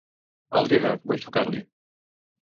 Al Dídac, vull trucar-li.